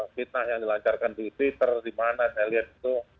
fitnah yang dilancarkan di twitter di mana saya lihat itu